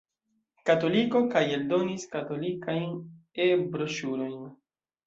Katoliko kaj eldonis katolikajn E-broŝurojn.